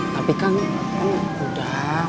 tapi kangen kan udah